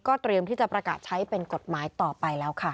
เตรียมที่จะประกาศใช้เป็นกฎหมายต่อไปแล้วค่ะ